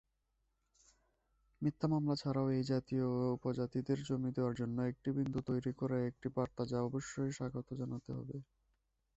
মিথ্যা মামলা ছাড়াও, এই জাতীয় উপজাতিদের জমি দেওয়ার জন্য একটি বিন্দু তৈরি করা একটি বার্তা যা অবশ্যই স্বাগত জানাতে হবে।